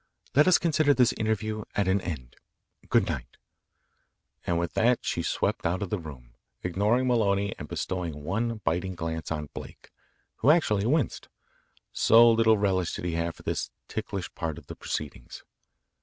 Let us consider this interview at an end. Good night," and with that she swept out of the room, ignoring Maloney and bestowing one biting glance on Blake, who actually winced, so little relish did he have for this ticklish part of the proceedings.